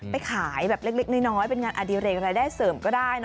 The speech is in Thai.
ไปขายแบบเล็กน้อยเป็นงานอดิเรกรายได้เสริมก็ได้นะ